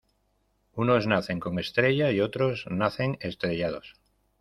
Unos nacen con estrella y otros nacen estrellados.